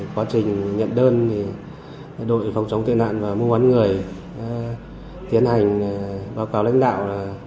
quá trình nhận đơn đội phòng chống tệ nạn và mưu án người tiến hành báo cáo lãnh đạo